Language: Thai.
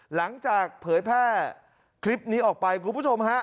เผยแพร่คลิปนี้ออกไปคุณผู้ชมฮะ